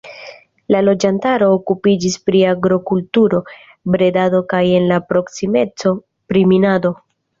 La loĝantaro okupiĝis pri agrokulturo, bredado kaj en la proksimeco pri minado.